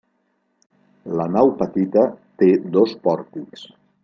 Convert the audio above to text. La nau petita té dos pòrtics.